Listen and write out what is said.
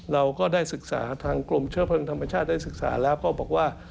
เราก็ได้ศึกษาทางกรมเชื้อเพลิงธรรมชาติได้ศึกษาแล้วก็บอกว่า